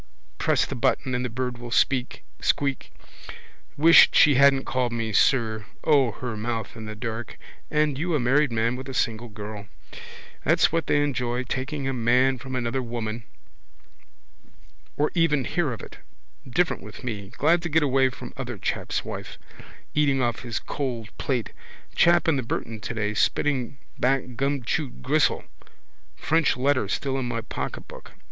Press the button and the bird will squeak. Wish she hadn't called me sir. O, her mouth in the dark! And you a married man with a single girl! That's what they enjoy. Taking a man from another woman. Or even hear of it. Different with me. Glad to get away from other chap's wife. Eating off his cold plate. Chap in the Burton today spitting back gumchewed gristle. French letter still in my pocketbook.